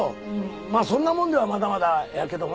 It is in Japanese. あそんなもんではまだまだやけどもな。